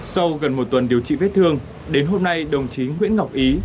sau gần một tuần điều trị vết thương đến hôm nay đồng chí nguyễn ngọc ý